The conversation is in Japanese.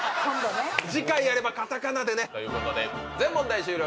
次回やればカタカナでね。ということで全問題終了。